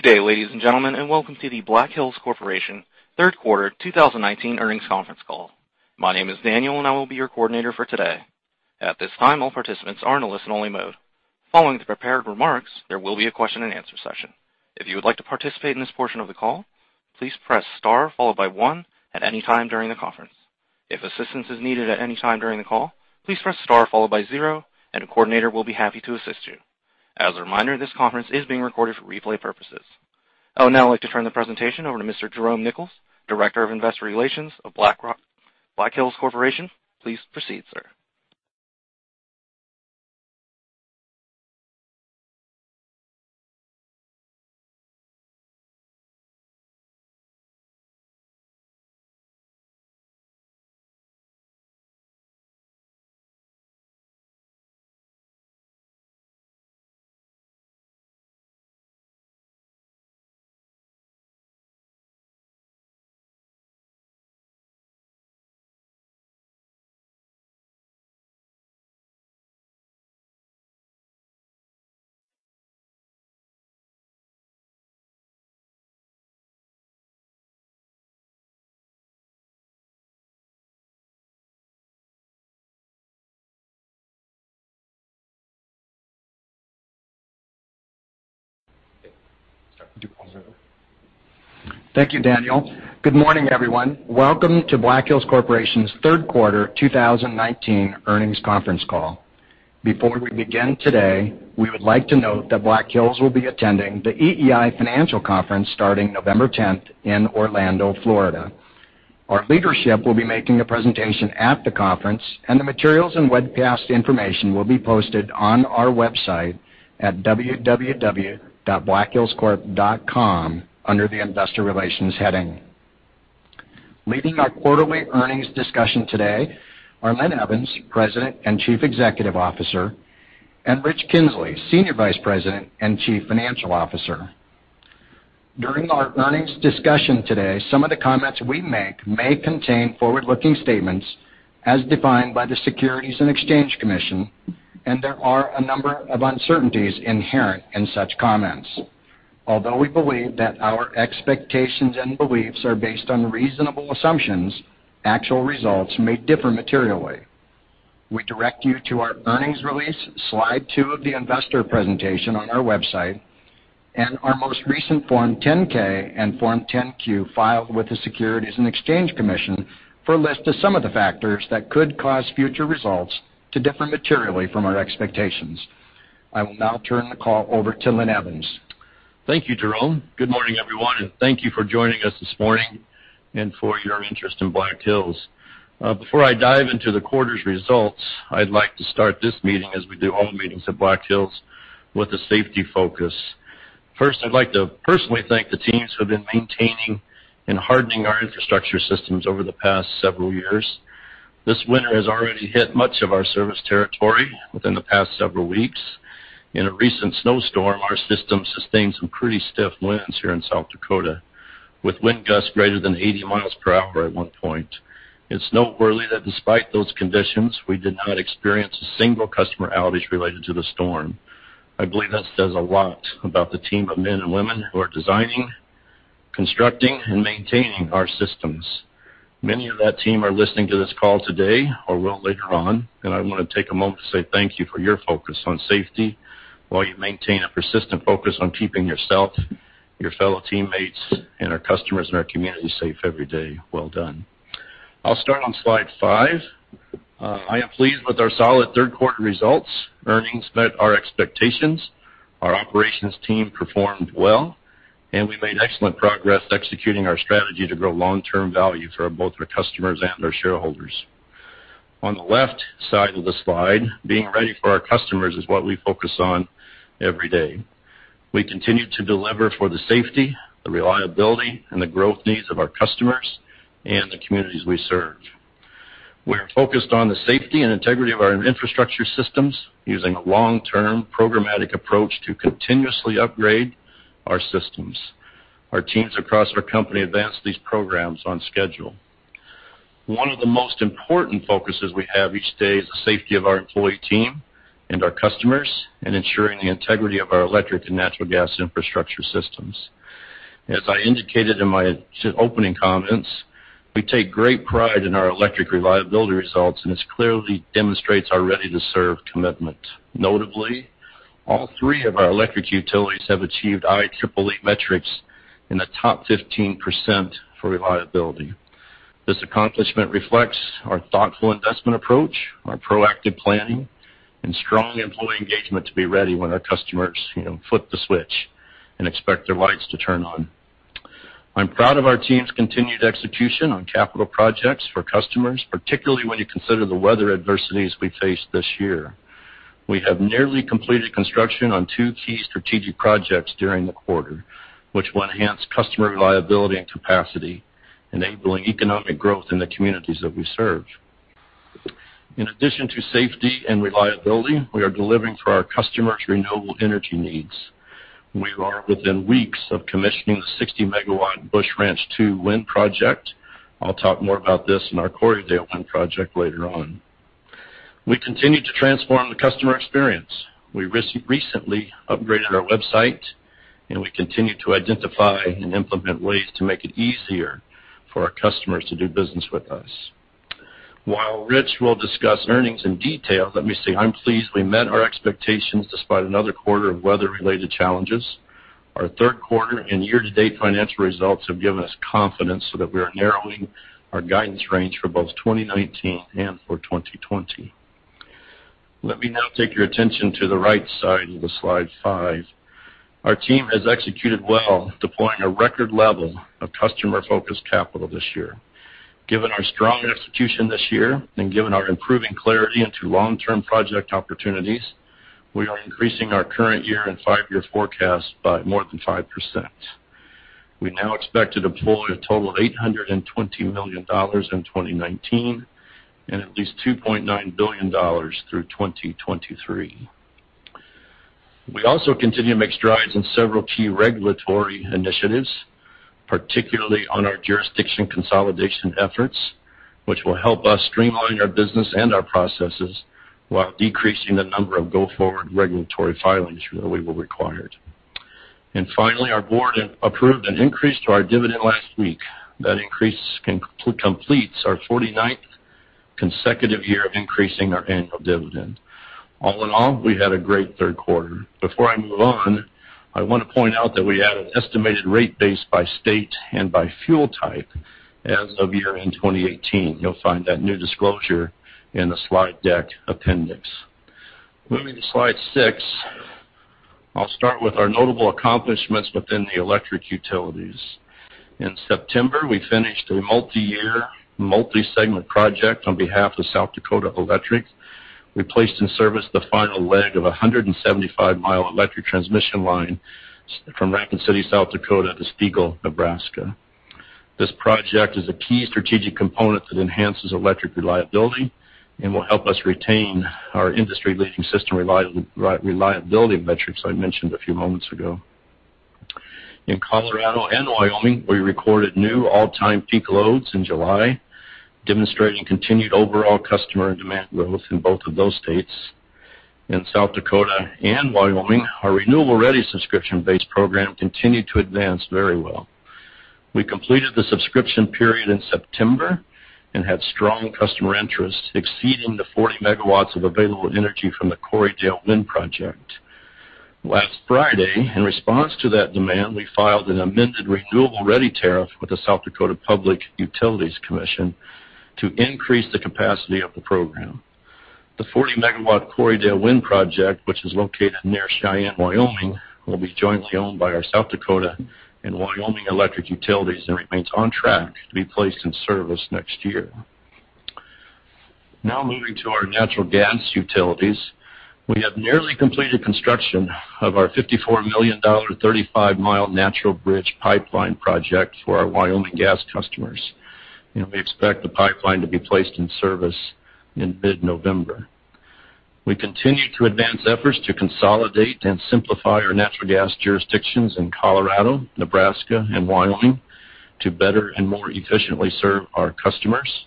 Good day, ladies and gentlemen, and welcome to the Black Hills Corporation third quarter 2019 earnings conference call. My name is Daniel, and I will be your coordinator for today. At this time, all participants are in a listen-only mode. Following the prepared remarks, there will be a question and answer session. If you would like to participate in this portion of the call, please press star followed by one at any time during the conference. If assistance is needed at any time during the call, please press star followed by zero, and a coordinator will be happy to assist you. As a reminder, this conference is being recorded for replay purposes. I would now like to turn the presentation over to Mr. Jerome Nichols, Director of Investor Relations of Black Hills Corporation. Please proceed, sir. Thank you, Daniel. Good morning, everyone. Welcome to Black Hills Corporation's third quarter 2019 earnings conference call. Before we begin today, we would like to note that Black Hills will be attending the EEI Financial Conference starting November 10th in Orlando, Florida. Our leadership will be making a presentation at the conference, and the materials and webcast information will be posted on our website at www.blackhillscorp.com under the Investor Relations heading. Leading our quarterly earnings discussion today are Linn Evans, President and Chief Executive Officer, and Rich Kinzley, Senior Vice President and Chief Financial Officer. During our earnings discussion today, some of the comments we make may contain forward-looking statements as defined by the Securities and Exchange Commission, and there are a number of uncertainties inherent in such comments. Although we believe that our expectations and beliefs are based on reasonable assumptions, actual results may differ materially. We direct you to our earnings release, slide two of the investor presentation on our website, and our most recent Form 10-K and Form 10-Q filed with the Securities and Exchange Commission for a list of some of the factors that could cause future results to differ materially from our expectations. I will now turn the call over to Linn Evans. Thank you, Jerome. Good morning, everyone, and thank you for joining us this morning and for your interest in Black Hills. Before I dive into the quarter's results, I'd like to start this meeting as we do all meetings at Black Hills with a safety focus. First, I'd like to personally thank the teams who have been maintaining and hardening our infrastructure systems over the past several years. This winter has already hit much of our service territory within the past several weeks. In a recent snowstorm, our system sustained some pretty stiff winds here in South Dakota, with wind gusts greater than 80 miles per hour at one point. It's noteworthy that despite those conditions, we did not experience a single customer outage related to the storm. I believe that says a lot about the team of men and women who are designing, constructing, and maintaining our systems. Many of that team are listening to this call today or will later on. I want to take a moment to say thank you for your focus on safety while you maintain a persistent focus on keeping yourself, your fellow teammates, and our customers and our community safe every day. Well done. I'll start on slide five. I am pleased with our solid third quarter results. Earnings met our expectations. Our operations team performed well. We made excellent progress executing our strategy to grow long-term value for both our customers and our shareholders. On the left side of the slide, being ready for our customers is what we focus on every day. We continue to deliver for the safety, the reliability, and the growth needs of our customers and the communities we serve. We are focused on the safety and integrity of our infrastructure systems using a long-term programmatic approach to continuously upgrade our systems. Our teams across our company advance these programs on schedule. One of the most important focuses we have each day is the safety of our employee team and our customers and ensuring the integrity of our electric and natural gas infrastructure systems. As I indicated in my opening comments, we take great pride in our electric reliability results, and this clearly demonstrates our ready-to-serve commitment. Notably, all three of our electric utilities have achieved IEEE metrics in the top 15% for reliability. This accomplishment reflects our thoughtful investment approach, our proactive planning, and strong employee engagement to be ready when our customers flip the switch and expect their lights to turn on. I'm proud of our team's continued execution on capital projects for customers, particularly when you consider the weather adversities we faced this year. We have nearly completed construction on two key strategic projects during the quarter, which will enhance customer reliability and capacity, enabling economic growth in the communities that we serve. In addition to safety and reliability, we are delivering for our customers' renewable energy needs. We are within weeks of commissioning the 60-megawatt Busch Ranch II wind project. I'll talk more about this in our Corriedale wind project later on. We continue to transform the customer experience. We recently upgraded our website. We continue to identify and implement ways to make it easier for our customers to do business with us. While Rich will discuss earnings in detail, let me say I'm pleased we met our expectations despite another quarter of weather-related challenges. Our third quarter and year-to-date financial results have given us confidence so that we are narrowing our guidance range for both 2019 and for 2020. Let me now take your attention to the right side of the slide five. Our team has executed well, deploying a record level of customer-focused capital this year. Given our strong execution this year, and given our improving clarity into long-term project opportunities, we are increasing our current year and five-year forecast by more than 5%. We now expect to deploy a total of $820 million in 2019 and at least $2.9 billion through 2023. We also continue to make strides in several key regulatory initiatives, particularly on our jurisdiction consolidation efforts, which will help us streamline our business and our processes while decreasing the number of go-forward regulatory filings that we will require. Finally, our board approved an increase to our dividend last week. That increase completes our 49th consecutive year of increasing our annual dividend. All in all, we had a great third quarter. Before I move on, I want to point out that we added estimated rate base by state and by fuel type as of year-end 2018. You'll find that new disclosure in the slide deck appendix. Moving to slide six, I'll start with our notable accomplishments within the electric utilities. In September, we finished a multi-year, multi-segment project on behalf of South Dakota Electric. We placed in service the final leg of 175-mile electric transmission line from Rapid City, South Dakota, to Stegall, Nebraska. This project is a key strategic component that enhances electric reliability and will help us retain our industry-leading system reliability metrics I mentioned a few moments ago. In Colorado and Wyoming, we recorded new all-time peak loads in July, demonstrating continued overall customer demand growth in both of those states. In South Dakota and Wyoming, our Renewable Ready subscription-based program continued to advance very well. We completed the subscription period in September and had strong customer interest exceeding the 40 megawatts of available energy from the Corriedale Wind project. Last Friday, in response to that demand, we filed an amended Renewable Ready tariff with the South Dakota Public Utilities Commission to increase the capacity of the program. The 40-megawatt Corriedale Wind project, which is located near Cheyenne, Wyoming, will be jointly owned by our South Dakota and Wyoming Electric utilities and remains on track to be placed in service next year. Now moving to our natural gas utilities. We have nearly completed construction of our $54 million, 35-mile Natural Bridge pipeline project for our Wyoming gas customers. We expect the pipeline to be placed in service in mid-November. We continue to advance efforts to consolidate and simplify our natural gas jurisdictions in Colorado, Nebraska, and Wyoming to better and more efficiently serve our customers.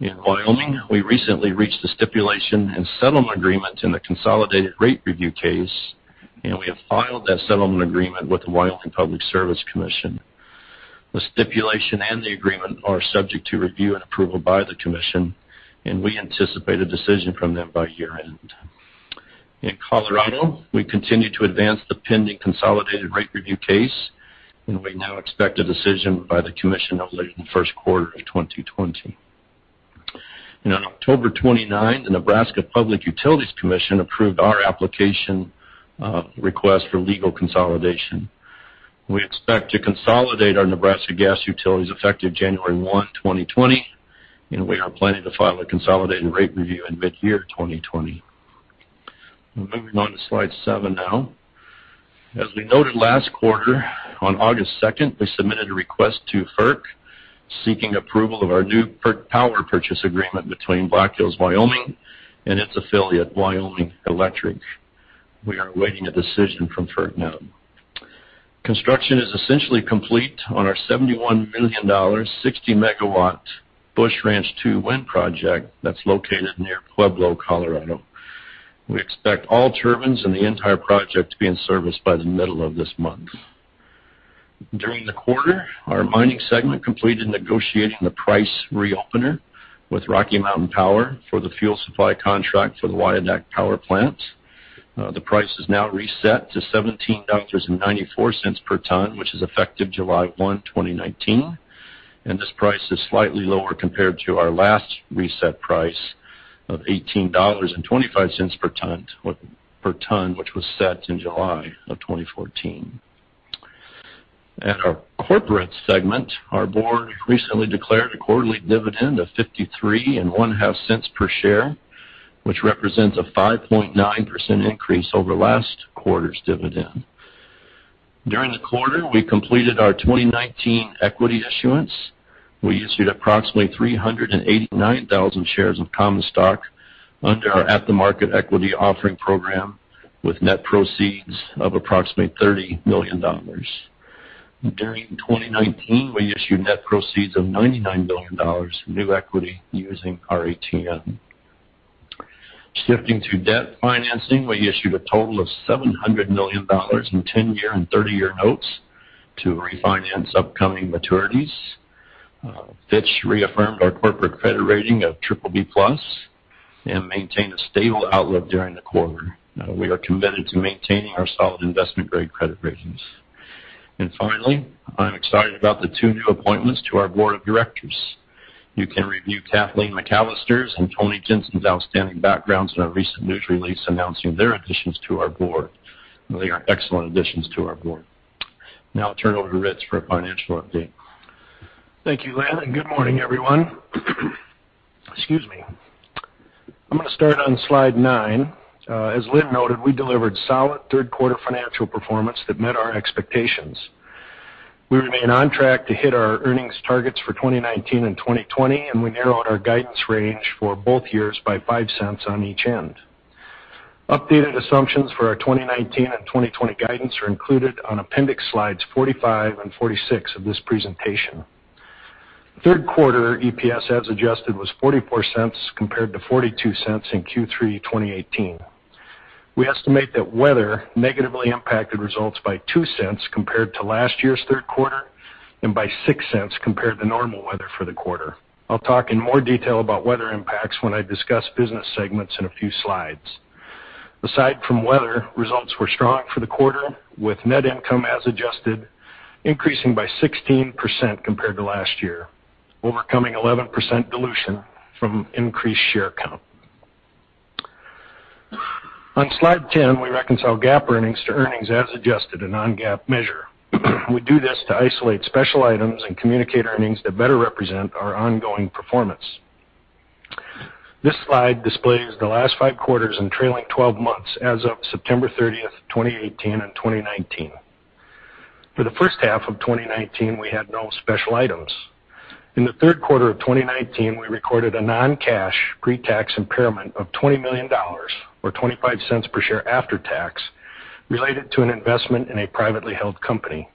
In Wyoming, we recently reached a stipulation and settlement agreement in the consolidated rate review case, and we have filed that settlement agreement with the Wyoming Public Service Commission. The stipulation and the agreement are subject to review and approval by the commission, and we anticipate a decision from them by year-end. In Colorado, we continue to advance the pending consolidated rate review case, and we now expect a decision by the commission not later than the first quarter of 2020. On October 29th, the Nebraska Public Service Commission approved our application request for legal consolidation. We expect to consolidate our Nebraska gas utilities effective January 1, 2020, and we are planning to file a consolidated rate review in mid-year 2020. Moving on to slide seven now. As we noted last quarter, on August 2nd, we submitted a request to FERC seeking approval of our new power purchase agreement between Black Hills Wyoming and its affiliate, Wyoming Electric. We are awaiting a decision from FERC now. Construction is essentially complete on our $71 million, 60-megawatt Busch Ranch II wind project that's located near Pueblo, Colorado. We expect all turbines and the entire project to be in service by the middle of this month. During the quarter, our mining segment completed negotiating the price reopener with Rocky Mountain Power for the fuel supply contract for the Wyodak Power Plant. The price is now reset to $17.94 per ton, which is effective July 1, 2019. This price is slightly lower compared to our last reset price of $18.25 per ton, which was set in July of 2014. At our corporate segment, our board recently declared a quarterly dividend of $0.535 per share, which represents a 5.9% increase over last quarter's dividend. During the quarter, we completed our 2019 equity issuance. We issued approximately 389,000 shares of common stock under our At-the-Market Equity Offering Program, with net proceeds of approximately $30 million. During 2019, we issued net proceeds of $99 million new equity using our ATM. Shifting to debt financing, we issued a total of $700 million in 10-year and 30-year notes to refinance upcoming maturities. Fitch reaffirmed our corporate credit rating of BBB+ and maintained a stable outlook during the quarter. We are committed to maintaining our solid investment-grade credit ratings. Finally, I'm excited about the two new appointments to our board of directors. You can review Kathleen McAllister's and Tony Jensen's outstanding backgrounds in our recent news release announcing their additions to our board. They are excellent additions to our board. I'll turn it over to Rich for a financial update. Thank you, Linn. Good morning, everyone. Excuse me. I'm going to start on slide nine. As Linn noted, we delivered solid third-quarter financial performance that met our expectations. We remain on track to hit our earnings targets for 2019 and 2020. We narrowed our guidance range for both years by $0.05 on each end. Updated assumptions for our 2019 and 2020 guidance are included on appendix slides 45 and 46 of this presentation. Third quarter EPS as adjusted was $0.44 compared to $0.42 in Q3 2018. We estimate that weather negatively impacted results by $0.02 compared to last year's third quarter and by $0.06 compared to normal weather for the quarter. I'll talk in more detail about weather impacts when I discuss business segments in a few slides. Aside from weather, results were strong for the quarter, with net income as adjusted increasing by 16% compared to last year, overcoming 11% dilution from increased share count. On slide 10, we reconcile GAAP earnings to earnings as adjusted a non-GAAP measure. We do this to isolate special items and communicate earnings that better represent our ongoing performance. This slide displays the last five quarters and trailing 12 months as of September 30th, 2018 and 2019. For the first half of 2019, we had no special items. In the third quarter of 2019, we recorded a non-cash pretax impairment of $20 million, or $0.25 per share after tax, related to an investment in a privately held company.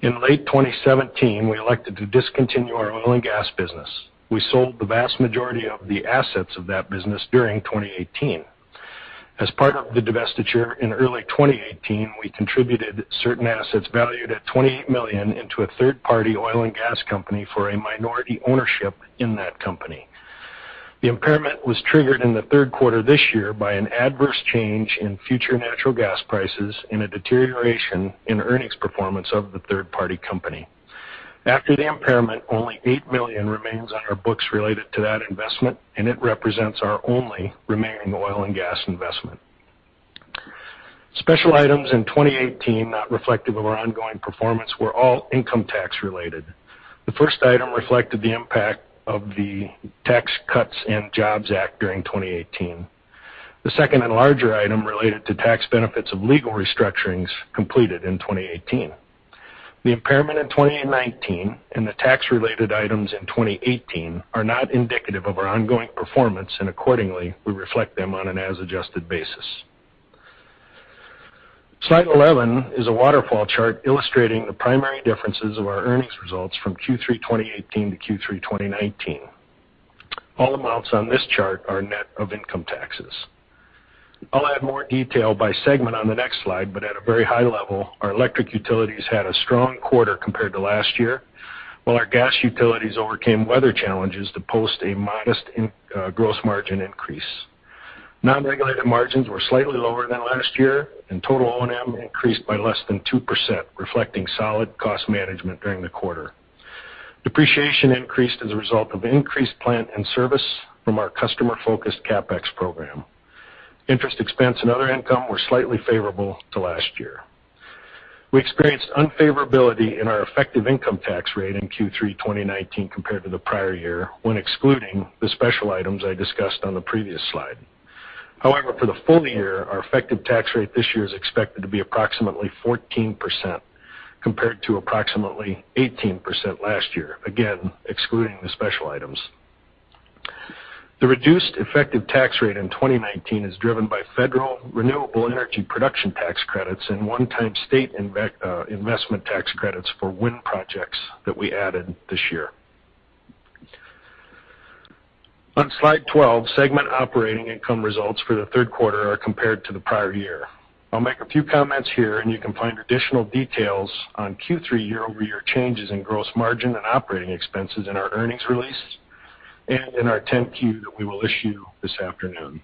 In late 2017, we elected to discontinue our oil and gas business. We sold the vast majority of the assets of that business during 2018. As part of the divestiture in early 2018, we contributed certain assets valued at $28 million into a third-party oil and gas company for a minority ownership in that company. The impairment was triggered in the third quarter this year by an adverse change in future natural gas prices and a deterioration in earnings performance of the third-party company. After the impairment, only $8 million remains on our books related to that investment, and it represents our only remaining oil and gas investment. Special items in 2018 not reflective of our ongoing performance were all income tax-related. The first item reflected the impact of the Tax Cuts and Jobs Act during 2018. The second and larger item related to tax benefits of legal restructurings completed in 2018. The impairment in 2019 and the tax-related items in 2018 are not indicative of our ongoing performance, and accordingly, we reflect them on an as-adjusted basis. Slide 11 is a waterfall chart illustrating the primary differences of our earnings results from Q3 2018 to Q3 2019. All amounts on this chart are net of income taxes. I'll add more detail by segment on the next slide, but at a very high level, our electric utilities had a strong quarter compared to last year, while our gas utilities overcame weather challenges to post a modest gross margin increase. Non-regulated margins were slightly lower than last year, and total O&M increased by less than 2%, reflecting solid cost management during the quarter. Depreciation increased as a result of increased plant and service from our customer-focused CapEx program. Interest expense and other income were slightly favorable to last year. We experienced unfavorability in our effective income tax rate in Q3 2019 compared to the prior year when excluding the special items I discussed on the previous slide. However, for the full year, our effective tax rate this year is expected to be approximately 14% compared to approximately 18% last year, again, excluding the special items. The reduced effective tax rate in 2019 is driven by federal renewable energy production tax credits and one-time state investment tax credits for wind projects that we added this year. On slide 12, segment operating income results for the third quarter are compared to the prior year. I'll make a few comments here, and you can find additional details on Q3 year-over-year changes in gross margin and operating expenses in our earnings release and in our 10-Q that we will issue this afternoon.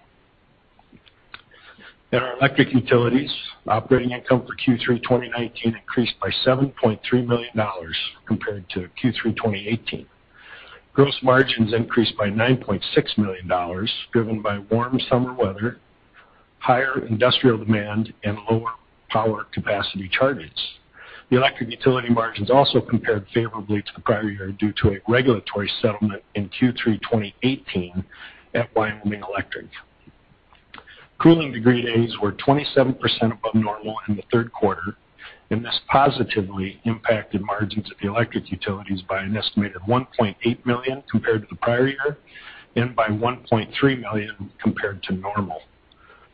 In our electric utilities, operating income for Q3 2019 increased by $7.3 million compared to Q3 2018. Gross margins increased by $9.6 million, driven by warm summer weather, higher industrial demand, and lower power capacity charges. The electric utility margins also compared favorably to the prior year due to a regulatory settlement in Q3 2018 at Wyoming Electric. cooling degree days were 27% above normal in the third quarter, and this positively impacted margins of the electric utilities by an estimated $1.8 million compared to the prior year and by $1.3 million compared to normal.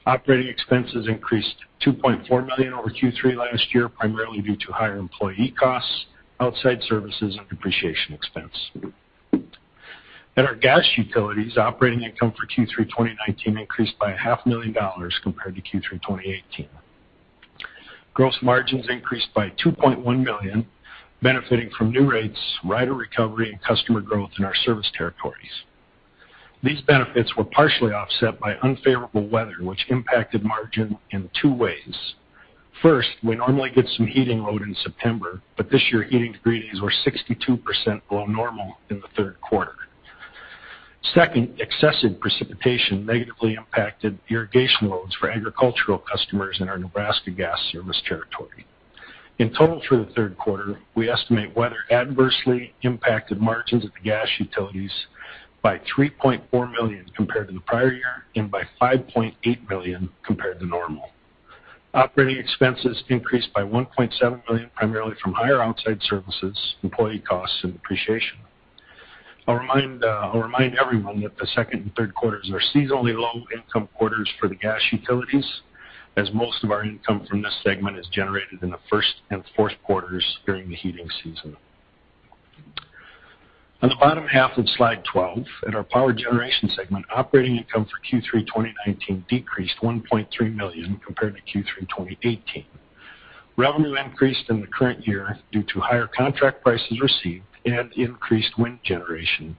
Operating expenses increased to $2.4 million over Q3 last year, primarily due to higher employee costs, outside services, and depreciation expense. In our gas utilities, operating income for Q3 2019 increased by a half million dollars compared to Q3 2018. Gross margins increased by $2.1 million, benefiting from new rates, rider recovery, and customer growth in our service territories. These benefits were partially offset by unfavorable weather, which impacted margin in two ways. First, we normally get some heating load in September, but this year, heating degree days were 62% below normal in the third quarter. Second, excessive precipitation negatively impacted irrigation loads for agricultural customers in our Nebraska gas service territory. In total, through the third quarter, we estimate weather adversely impacted margins at the gas utilities by $3.4 million compared to the prior year and by $5.8 million compared to normal. Operating expenses increased by $1.7 million, primarily from higher outside services, employee costs, and depreciation. I'll remind everyone that the second and third quarters are seasonally low-income quarters for the gas utilities, as most of our income from this segment is generated in the first and fourth quarters during the heating season. On the bottom half of slide 12, at our power generation segment, operating income for Q3 2019 decreased $1.3 million compared to Q3 2018. Revenue increased in the current year due to higher contract prices received and increased wind generation.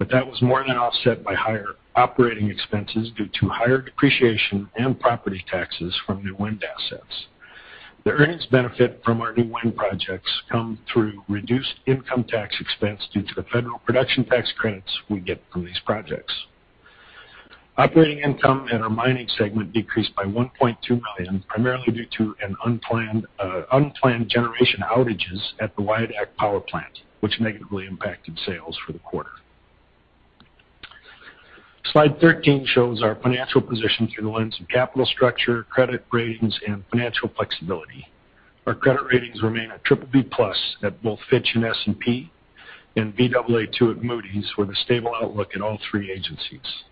That was more than offset by higher operating expenses due to higher depreciation and property taxes from new wind assets. The earnings benefit from our new wind projects come through reduced income tax expense due to the federal production tax credits we get from these projects. Operating income at our mining segment decreased by $1.2 million, primarily due to unplanned generation outages at the Wyodak Power Plant, which negatively impacted sales for the quarter. Slide 13 shows our financial position through the lens of capital structure, credit ratings, and financial flexibility. Our credit ratings remain at BBB+ at both Fitch and S&P, and Baa2 at Moody's, with a stable outlook at all three agencies.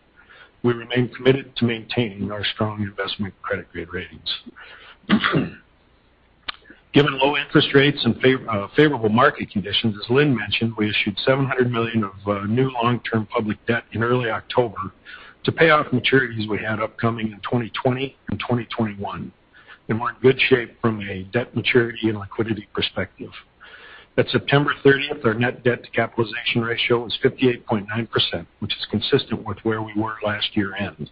We remain committed to maintaining our strong investment-grade credit ratings. Given low interest rates and favorable market conditions, as Linn mentioned, we issued $700 million of new long-term public debt in early October to pay off maturities we had upcoming in 2020 and 2021. We're in good shape from a debt maturity and liquidity perspective. At September 30th, our net debt to capitalization ratio was 58.9%, which is consistent with where we were last year-end,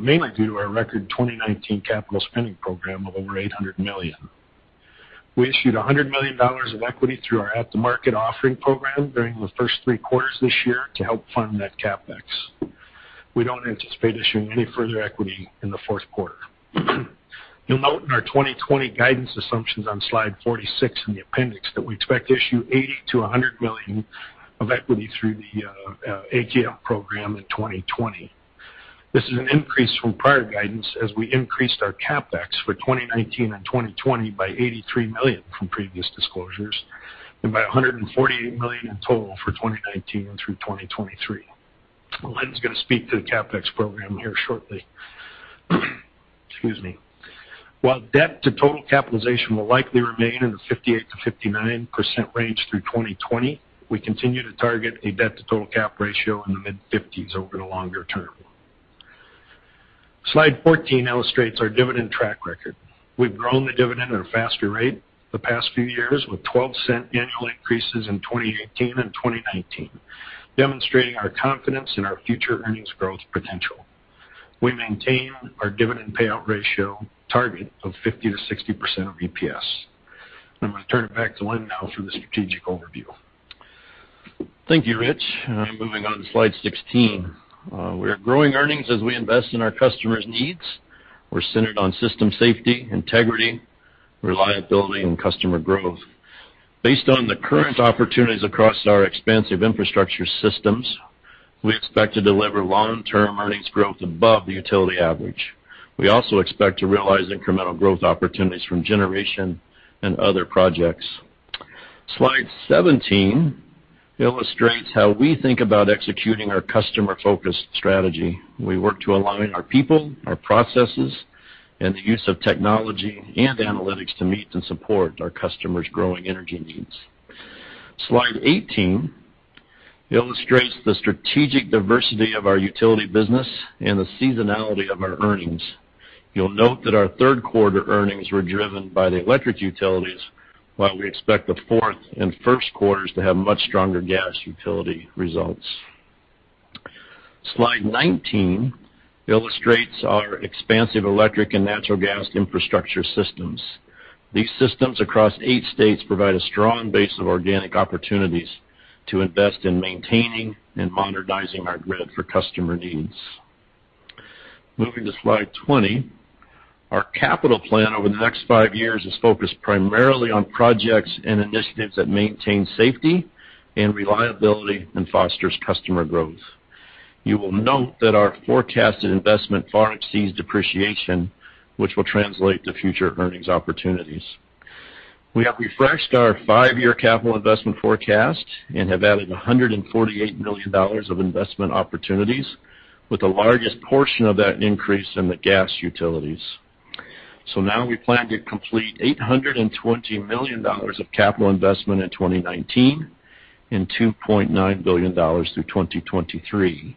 mainly due to our record 2019 capital spending program of over $800 million. We issued $100 million of equity through our At-the-Market Equity Offering Program during the first three quarters this year to help fund that CapEx. We don't anticipate issuing any further equity in the fourth quarter. You'll note in our 2020 guidance assumptions on Slide 46 in the appendix that we expect to issue $80 to $100 million of equity through the ATM program in 2020. This is an increase from prior guidance as we increased our CapEx for 2019 and 2020 by $83 million from previous disclosures and by $148 million in total for 2019 through 2023. Linn's going to speak to the CapEx program here shortly. Excuse me. While debt-to-total capitalization will likely remain in the 58%-59% range through 2020, we continue to target a debt-to-total cap ratio in the mid-50s over the longer term. Slide 14 illustrates our dividend track record. We've grown the dividend at a faster rate the past few years, with $0.12 annual increases in 2018 and 2019, demonstrating our confidence in our future earnings growth potential. We maintain our dividend payout ratio target of 50%-60% of EPS. I'm going to turn it back to Linn now for the strategic overview. Thank you, Rich. Moving on to slide 16. We are growing earnings as we invest in our customers' needs. We're centered on system safety, integrity, reliability, and customer growth. Based on the current opportunities across our expansive infrastructure systems, we expect to deliver long-term earnings growth above the utility average. We also expect to realize incremental growth opportunities from generation and other projects. Slide 17 illustrates how we think about executing our customer-focused strategy. We work to align our people, our processes, and the use of technology and analytics to meet and support our customers' growing energy needs. Slide 18 illustrates the strategic diversity of our utility business and the seasonality of our earnings. You'll note that our third quarter earnings were driven by the electric utilities, while we expect the fourth and first quarters to have much stronger gas utility results. Slide 19 illustrates our expansive electric and natural gas infrastructure systems. These systems across eight states provide a strong base of organic opportunities to invest in maintaining and modernizing our grid for customer needs. Moving to slide 20, our capital plan over the next five years is focused primarily on projects and initiatives that maintain safety and reliability and fosters customer growth. You will note that our forecasted investment far exceeds depreciation, which will translate to future earnings opportunities. We have refreshed our five-year capital investment forecast and have added $148 million of investment opportunities, with the largest portion of that increase in the gas utilities. Now we plan to complete $820 million of capital investment in 2019 and $2.9 billion through 2023.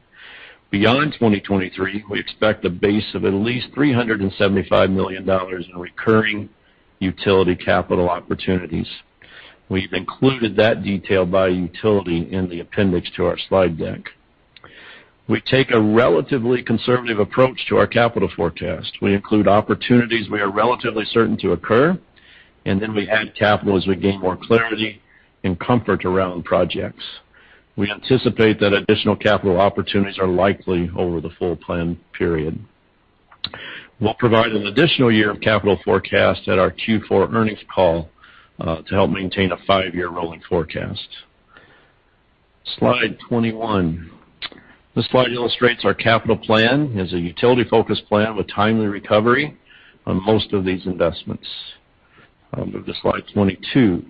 Beyond 2023, we expect a base of at least $375 million in recurring utility capital opportunities. We've included that detail by utility in the appendix to our slide deck. We take a relatively conservative approach to our capital forecast. We include opportunities we are relatively certain to occur, and then we add capital as we gain more clarity and comfort around projects. We anticipate that additional capital opportunities are likely over the full plan period. We'll provide an additional year of capital forecast at our Q4 earnings call to help maintain a five-year rolling forecast. Slide 21. This slide illustrates our capital plan as a utility-focused plan with timely recovery on most of these investments. I'll move to slide 22.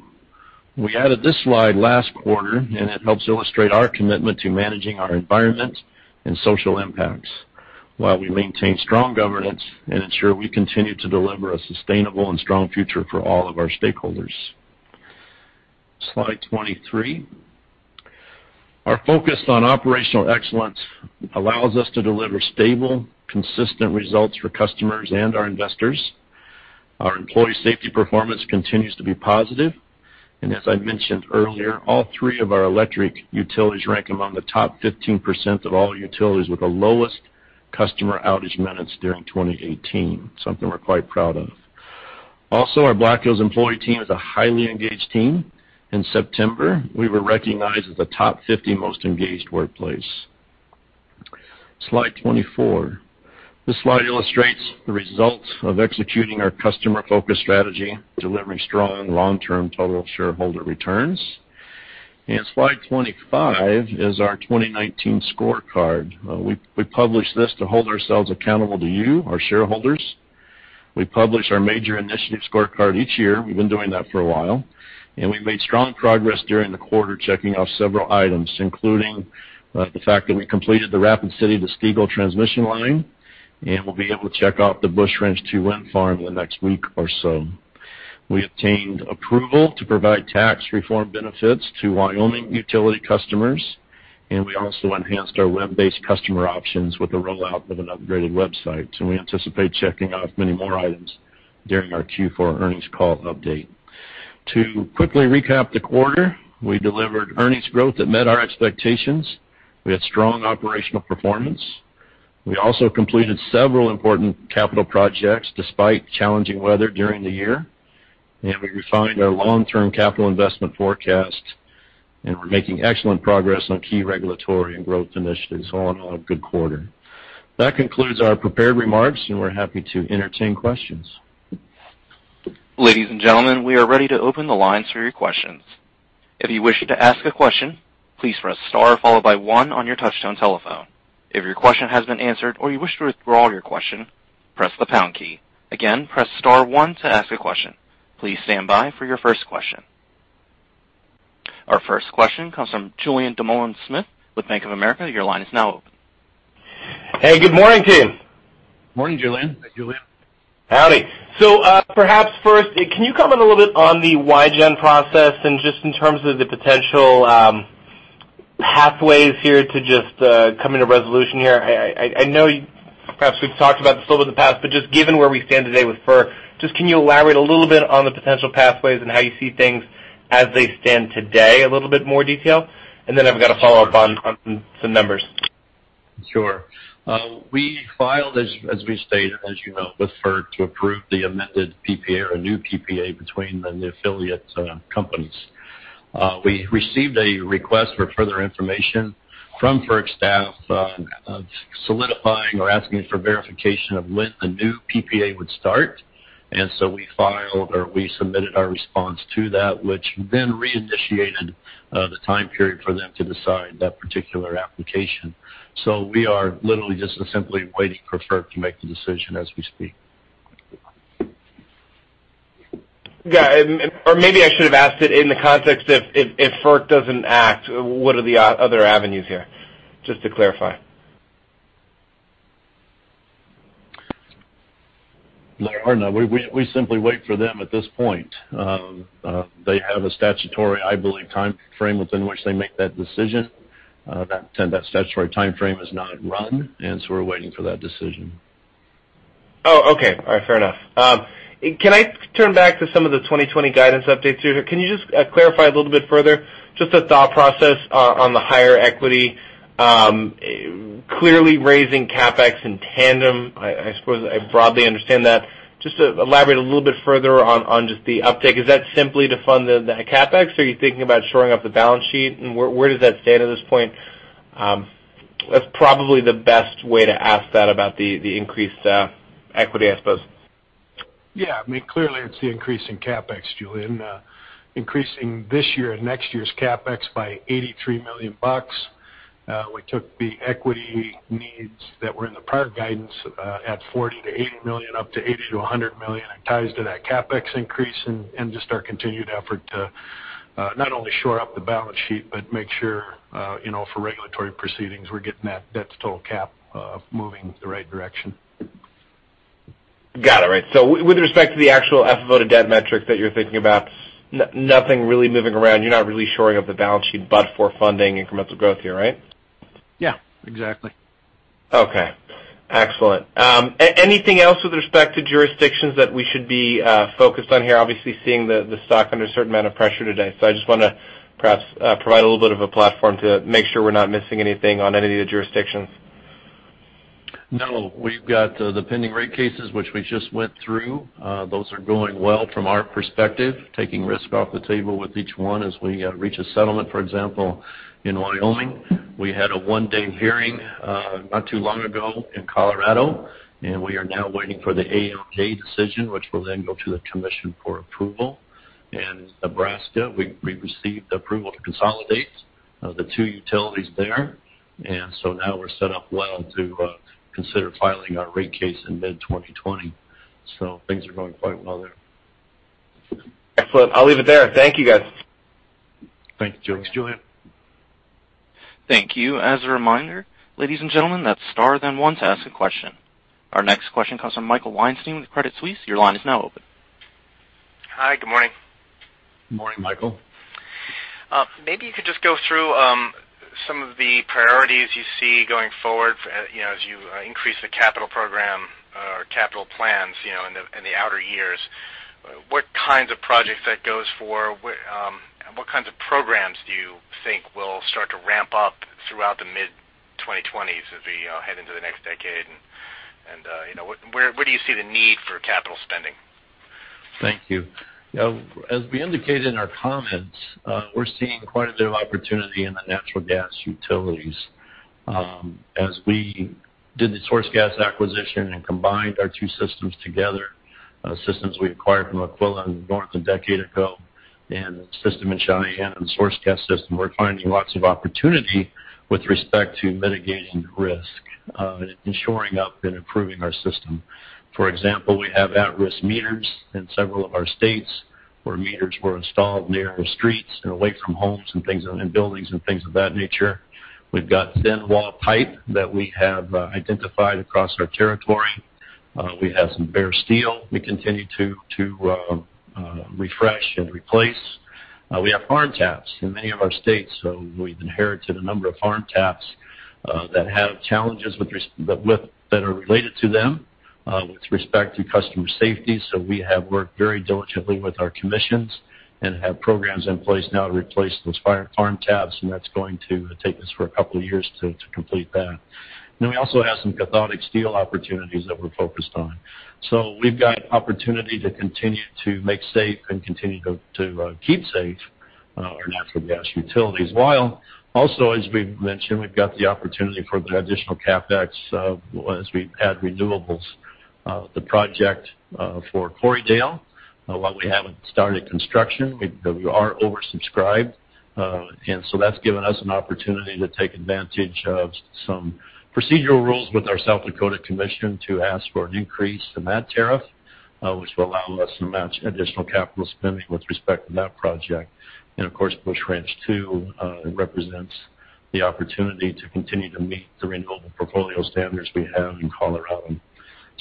We added this slide last quarter, and it helps illustrate our commitment to managing our environment and social impacts, while we maintain strong governance and ensure we continue to deliver a sustainable and strong future for all of our stakeholders. Slide 23. Our focus on operational excellence allows us to deliver stable, consistent results for customers and our investors. Our employee safety performance continues to be positive, and as I mentioned earlier, all three of our electric utilities rank among the top 15% of all utilities with the lowest customer outage minutes during 2018, something we're quite proud of. Our Black Hills employee team is a highly engaged team. In September, we were recognized as an Achievers 50 Most Engaged Workplaces. Slide 24. This slide illustrates the results of executing our customer-focused strategy, delivering strong long-term total shareholder returns. Slide 25 is our 2019 scorecard. We publish this to hold ourselves accountable to you, our shareholders. We publish our major initiative scorecard each year. We've been doing that for a while. We made strong progress during the quarter, checking off several items, including the fact that we completed the Rapid City to Stegall transmission line. We'll be able to check off the Busch Ranch II wind farm in the next week or so. We obtained approval to provide tax reform benefits to Wyoming utility customers. We also enhanced our web-based customer options with the rollout of an upgraded website. We anticipate checking off many more items during our Q4 earnings call update. To quickly recap the quarter, we delivered earnings growth that met our expectations. We had strong operational performance. We also completed several important capital projects despite challenging weather during the year. We refined our long-term capital investment forecast. We're making excellent progress on key regulatory and growth initiatives. All in all, a good quarter. That concludes our prepared remarks, and we're happy to entertain questions. Ladies and gentlemen, we are ready to open the lines for your questions. If you wish to ask a question, please press star followed by one on your touch-tone telephone. If your question has been answered or you wish to withdraw your question, press the pound key. Again, press star one to ask a question. Please stand by for your first question. Our first question comes from Julien Dumoulin-Smith with Bank of America. Your line is now open. Hey, good morning, team. Morning, Julien. Hi, Julien. Howdy. Perhaps first, can you comment a little bit on the Wygen process and just in terms of the potential pathways here to just coming to resolution here? I know perhaps we've talked about this a little bit in the past, but just given where we stand today with FERC, just can you elaborate a little bit on the potential pathways and how you see things as they stand today, a little bit more detail? I've got a follow-up on some numbers. Sure. We filed, as we stated, as you know, with FERC to approve the amended PPA or a new PPA between the affiliate companies. We received a request for further information from FERC staff solidifying or asking for verification of when the new PPA would start, and so we filed, or we submitted our response to that, which then reinitiated the time period for them to decide that particular application. We are literally just simply waiting for FERC to make the decision as we speak. Got it. Maybe I should have asked it in the context if FERC doesn't act, what are the other avenues here? Just to clarify. There are none. We simply wait for them at this point. They have a statutory, I believe, timeframe within which they make that decision. That statutory timeframe has not run, and so we're waiting for that decision. Oh, okay. All right. Fair enough. Can I turn back to some of the 2020 guidance updates here? Can you just clarify a little bit further, just the thought process on the higher equity? Clearly raising CapEx in tandem, I suppose I broadly understand that. Just to elaborate a little bit further on just the uptick, is that simply to fund the CapEx? Are you thinking about shoring up the balance sheet and where does that stand at this point? That's probably the best way to ask that about the increased equity, I suppose. Yeah. I mean, clearly it's the increase in CapEx, Julien. Increasing this year and next year's CapEx by $83 million. We took the equity needs that were in the prior guidance at $40 million-$80 million up to $80 million-$100 million. It ties to that CapEx increase and just our continued effort to not only shore up the balance sheet, but make sure, for regulatory proceedings, we're getting that debt to total cap moving the right direction. Got it. With respect to the actual FFO to debt metric that you're thinking about, nothing really moving around. You're not really shoring up the balance sheet but for funding incremental growth here, right? Yeah, exactly. Okay. Excellent. Anything else with respect to jurisdictions that we should be focused on here? Obviously, seeing the stock under a certain amount of pressure today. I just want to perhaps provide a little bit of a platform to make sure we're not missing anything on any of the jurisdictions. No. We've got the pending rate cases, which we just went through. Those are going well from our perspective, taking risk off the table with each one as we reach a settlement. For example, in Wyoming, we had a one-day hearing not too long ago in Colorado. We are now waiting for the ALJ decision, which will then go to the commission for approval. In Nebraska, we received approval to consolidate the two utilities there. Now we're set up well to consider filing our rate case in mid-2020. Things are going quite well there. Excellent. I'll leave it there. Thank you, guys. Thank you, Julien. Thanks, Julien. Thank you. As a reminder, ladies and gentlemen, that's star then one to ask a question. Our next question comes from Michael Weinstein with Credit Suisse. Your line is now open. Hi, good morning. Good morning, Michael. Maybe you could just go through some of the priorities you see going forward as you increase the capital program or capital plans in the outer years. What kinds of projects that goes for? What kinds of programs do you think will start to ramp up throughout the mid-2020s as we head into the next decade? Where do you see the need for capital spending? Thank you. As we indicated in our comments, we're seeing quite a bit of opportunity in the natural gas utilities. As we did the SourceGas acquisition and combined our two systems together, systems we acquired from Aquila more than a decade ago, and the system in Cheyenne and SourceGas system, we're finding lots of opportunity with respect to mitigating risk and shoring up and improving our system. For example, we have at-risk meters in several of our states where meters were installed near streets and away from homes and buildings and things of that nature. We've got thin wall pipe that we have identified across our territory. We have some bare steel we continue to refresh and replace. We have farm taps in many of our states. We've inherited a number of farm taps that have challenges that are related to them with respect to customer safety. We have worked very diligently with our commissions and have programs in place now to replace those farm taps, and that's going to take us for a couple of years to complete that. We also have some cathodic steel opportunities that we're focused on. We've got opportunity to continue to make safe and continue to keep safe our natural gas utilities. While also, as we've mentioned, we've got the opportunity for the additional CapEx as we add renewables. The project for Corriedale, while we haven't started construction, we are oversubscribed. That's given us an opportunity to take advantage of some procedural rules with our South Dakota Commission to ask for an increase in that tariff, which will allow us to match additional capital spending with respect to that project. Of course, Busch Ranch II represents the opportunity to continue to meet the renewable portfolio standards we have in Colorado.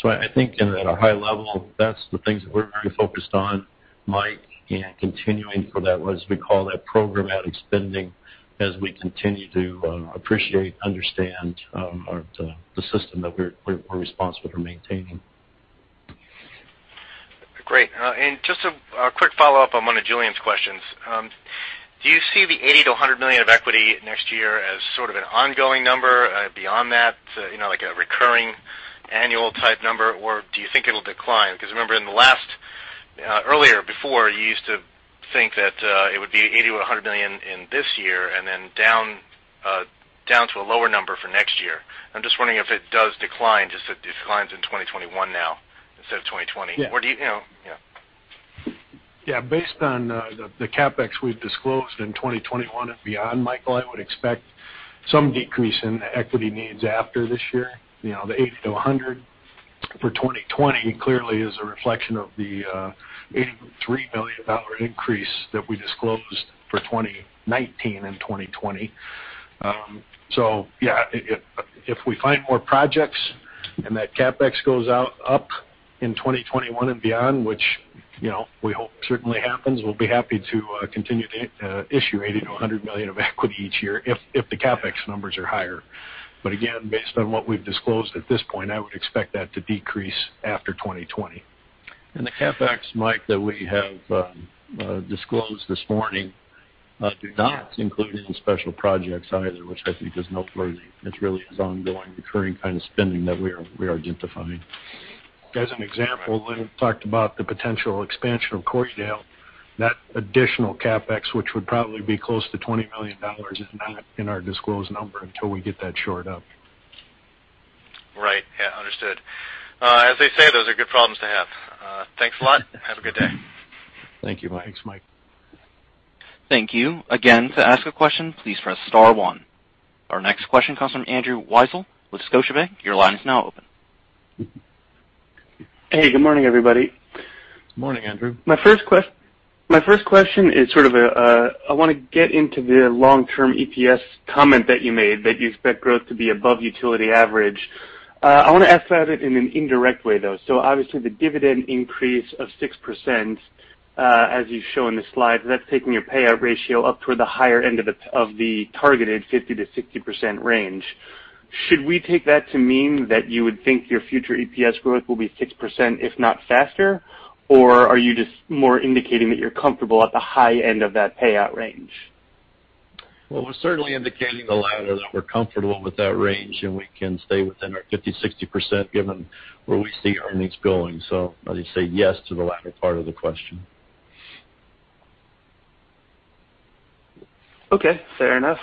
I think at a high level, that's the things that we're very focused on, Mike, and continuing for that, what we call that programmatic spending as we continue to appreciate and understand the system that we're responsible for maintaining. Great. Just a quick follow-up on one of Julien's questions. Do you see the $80 million to $100 million of equity next year as sort of an ongoing number beyond that, like a recurring annual type number? Do you think it'll decline? Remember in the last, earlier, before, you used to think that it would be $80 million to $100 million in this year and then down to a lower number for next year. I'm just wondering if it does decline, just it declines in 2021 now instead of 2020. Based on the CapEx we've disclosed in 2021 and beyond, Michael, I would expect some decrease in the equity needs after this year. The 80-100 for 2020 clearly is a reflection of the $83 million increase that we disclosed for 2019 and 2020. If we find more projects and that CapEx goes up in 2021 and beyond, which we hope certainly happens, we'll be happy to continue to issue $80 million-$100 million of equity each year if the CapEx numbers are higher. Based on what we've disclosed at this point, I would expect that to decrease after 2020. The CapEx, Mike, that we have disclosed this morning do not include any special projects either, which I think is noteworthy. It really is ongoing, recurring kind of spending that we are identifying. As an example, when we talked about the potential expansion of Corriedale, that additional CapEx, which would probably be close to $20 million, is not in our disclosed number until we get that shored up. Right. Yeah, understood. As they say, those are good problems to have. Thanks a lot. Have a good day. Thank you, Mike. Thanks, Mike. Thank you. Again, to ask a question, please press star 1. Our next question comes from Andrew Weisel with Scotiabank. Your line is now open. Hey, good morning, everybody. Morning, Andrew. My first question is, I want to get into the long-term EPS comment that you made, that you expect growth to be above utility average. I want to ask about it in an indirect way, though. Obviously, the dividend increase of 6%, as you show in the slide, that's taking your payout ratio up toward the higher end of the targeted 50%-60% range. Should we take that to mean that you would think your future EPS growth will be 6%, if not faster? Or are you just more indicating that you're comfortable at the high end of that payout range? Well, we're certainly indicating the latter, that we're comfortable with that range, and we can stay within our 50%, 60%, given where we see earnings going. I'd say yes to the latter part of the question. Okay, fair enough.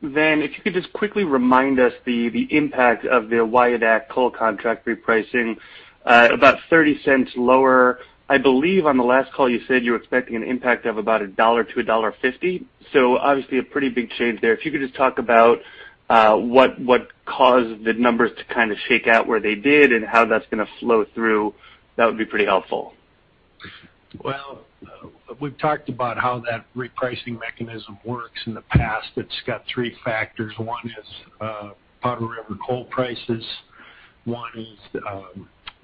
If you could just quickly remind us the impact of the Wyodak coal contract repricing, about $0.30 lower. I believe on the last call you said you were expecting an impact of about $1 to $1.50. Obviously a pretty big change there. If you could just talk about what caused the numbers to kind of shake out where they did and how that's going to flow through, that would be pretty helpful. We've talked about how that repricing mechanism works in the past. It's got three factors. One is Powder River coal prices, one is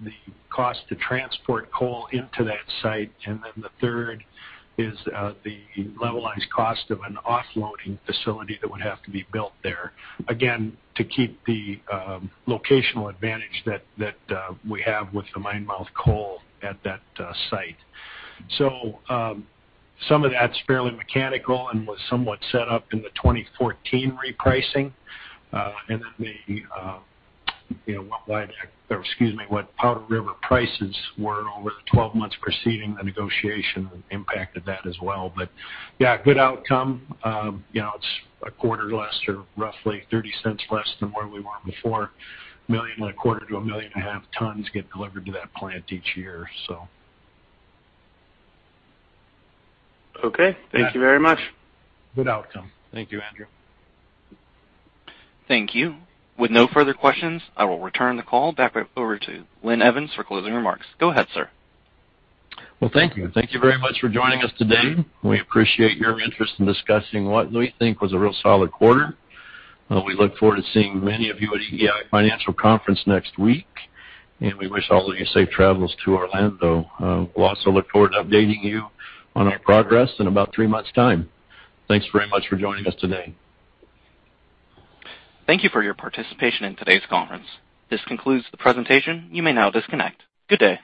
the cost to transport coal into that site, and then the third is the levelized cost of an offloading facility that would have to be built there, again, to keep the locational advantage that we have with the mine-mouth coal at that site. Some of that's fairly mechanical and was somewhat set up in the 2014 repricing. What Powder River prices were over the 12 months preceding the negotiation impacted that as well. Yeah, good outcome. It's a quarter less, or roughly $0.30 less than where we were before. 1.25 million-1.5 million tons get delivered to that plant each year. Okay. Thank you very much. Good outcome. Thank you, Andrew. Thank you. With no further questions, I will return the call back over to Linn Evans for closing remarks. Go ahead, sir. Well, thank you. Thank you very much for joining us today. We appreciate your interest in discussing what we think was a real solid quarter. We look forward to seeing many of you at EEI Financial Conference next week, and we wish all of you safe travels to Orlando. We'll also look forward to updating you on our progress in about three months' time. Thanks very much for joining us today. Thank you for your participation in today's conference. This concludes the presentation. You may now disconnect. Good day.